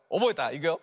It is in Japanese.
いくよ。